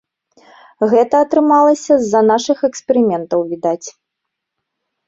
Гэта атрымалася з-за нашых эксперыментаў, відаць.